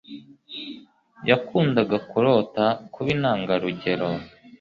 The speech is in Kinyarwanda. Nakundaga kurota kuba intangarugero.